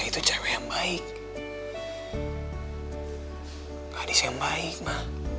itu cewek baik baik ma